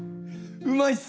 うまいっす！